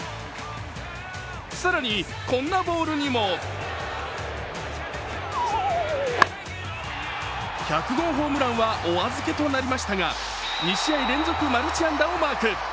更に、こんなボールにも１００号ホームランはお預けとなりましたが、２試合連続マルチ安打をマーク。